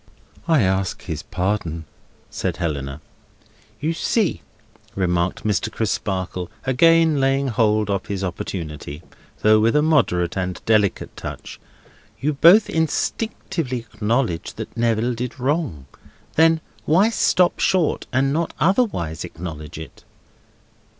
"I ask his pardon," said Helena. "You see," remarked Mr. Crisparkle, again laying hold of his opportunity, though with a moderate and delicate touch, "you both instinctively acknowledge that Neville did wrong. Then why stop short, and not otherwise acknowledge it?"